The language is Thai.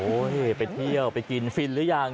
ไปเที่ยวไปกินฟินหรือยัง